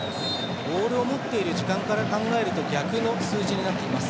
ボールを持っている時間から考えると逆の数字になっています。